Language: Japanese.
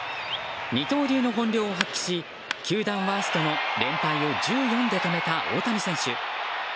二刀流の本領を発揮し球団ワーストの連敗を１４で止めた大谷選手。